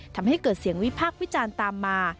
ทำให้เกิดเสียงวิพากษ์วิจารณ์ตามมา